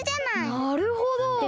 なるほど！